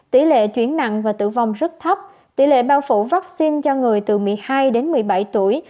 tỷ lệ chuyển nặng và tử vong rất thấp tỷ lệ bao phủ vaccine cho người từ một mươi hai đến một mươi bảy tuổi